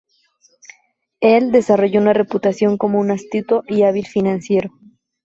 Él desarrolló una reputación como un astuto y hábil financiero.